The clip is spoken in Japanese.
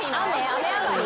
雨上がり？